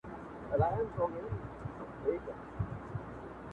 پيشو پوه سول چي موږك جنگ ته تيار دئ،